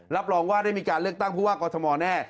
รับรองว่าได้มีการเลือกตั้งผู้ว่ากอทมแน่